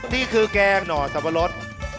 นี่คือแกงหน่อสับปะรด